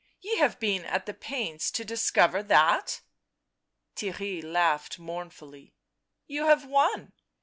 Ye have been at the pains to discover that?" Theirry laughed mournfully. " You have won